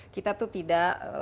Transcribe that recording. kita tuh tidak